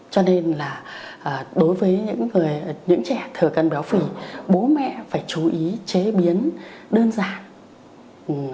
cho nên là đối với những trẻ thừa cân béo phì bố mẹ phải chú ý chế biến đơn giản